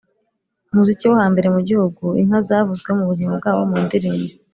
umuziki wo hambere mu gihugu: inka zavuzwe mubuzima bwabo mu ndirimbo